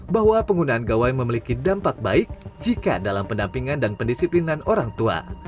bahwa penggunaan gawai memiliki dampak baik jika dalam pendampingan dan pendisiplinan orang tua